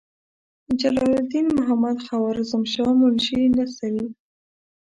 جلال الدین محمدخوارزمشاه منشي نسوي.